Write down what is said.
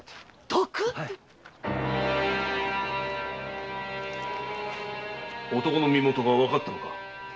毒⁉男の身許がわかったのか？